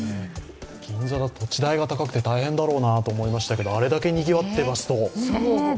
銀座だと土地代が高くて大変だろうなと思いましたけどあれだけにぎわっていますと。